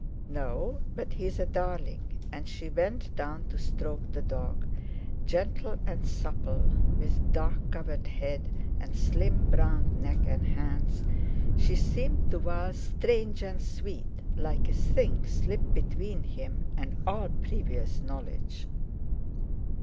"No! but he's a darling," and she bent down to stroke the dog. Gentle and supple, with dark covered head and slim browned neck and hands, she seemed to Val strange and sweet, like a thing slipped between him and all previous knowledge.